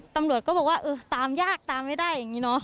ตำรวจก็บอกว่าเออตามยากตามไม่ได้อย่างนี้เนอะ